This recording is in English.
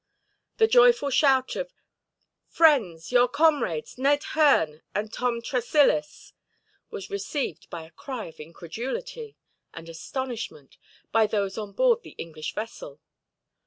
The joyful shout of "Friends, your comrades, Ned Hearne and Tom Tressilis," was received by a cry of incredulity, and astonishment, by those on board the English vessel.